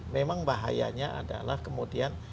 memang bahayanya adalah kemudian